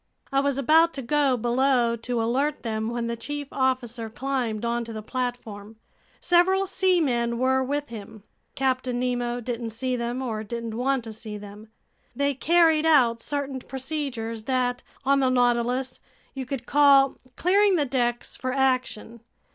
I was about to go below to alert them, when the chief officer climbed onto the platform. Several seamen were with him. Captain Nemo didn't see them, or didn't want to see them. They carried out certain procedures that, on the Nautilus, you could call "clearing the decks for action."